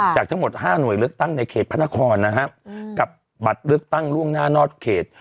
จากทั้งหมด๕หน่วยเลือกตั้งในเขตพระนครนะฮะกับบัตรเลือกตั้งล่วงหน้านอกเขต